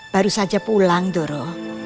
baru saja pulang doro